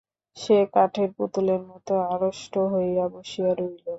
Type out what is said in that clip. সে কাঠের পুতুলের মতো আড়ষ্ট হইয়া বসিয়া রহিল।